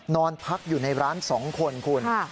นอนพักอยู่ในร้าน๒คนคุณ